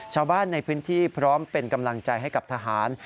ชาวบ้านในพื้นที่พร้อมเป็นกำลังใจให้กับทหาร